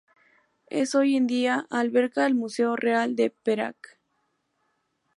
Es hoy en día alberga el Museo Real de Perak.